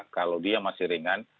kalau dia masih ringan